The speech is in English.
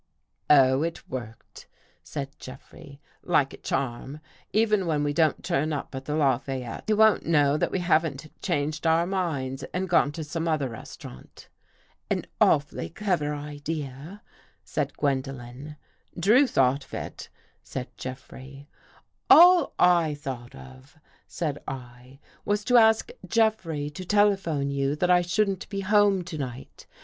'' Oh, it worked," said Jeffrey, " like a charm. Even when we don't turn up at the Lafayette, he won't know that we haven't changed our minds and gone to some other restaurant." " An awfully clever Idea," said Gwendolen. " Drew thought of It," said Jeffrey. " All I thought of," said I, " was to ask Jeffrey to telephone you that I shouldn't be home to night.